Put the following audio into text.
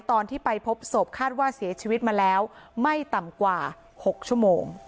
ตอนที่ไปพบศพคาดว่าเสียชีวิตมาแล้วไม่ต่ำกว่า๖ชั่วโมง